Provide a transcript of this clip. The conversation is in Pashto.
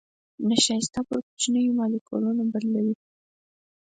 نشایسته پر کوچنيو مالیکولونو بدلوي.